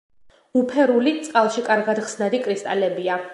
უფერული, წყალში კარგად ხსნადი კრისტალებია.